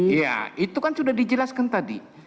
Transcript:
iya itu kan sudah dijelaskan tadi